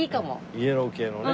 イエロー系のね。